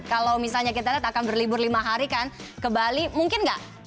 kalau misalnya kita lihat akan berlibur lima hari kan ke bali mungkin nggak